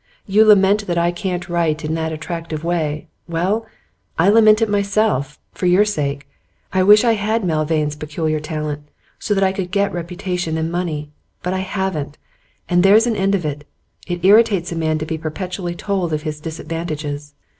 You lament that I can't write in that attractive way. Well, I lament it myself for your sake. I wish I had Milvain's peculiar talent, so that I could get reputation and money. But I haven't, and there's an end of it. It irritates a man to be perpetually told of his disadvantages.